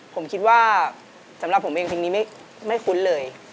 ผมคิดว่าสำหรับผมเองเพลงนี้ไม่คุ้นเลย